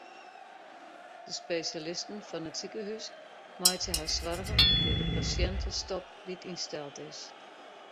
De spesjalisten fan it sikehús meitsje har soargen oer de pasjintestop dy't ynsteld is.